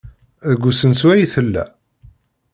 Deg usensu ay tella?